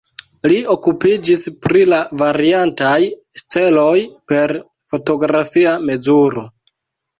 Li okupiĝis pri la variantaj steloj per fotografia mezuro.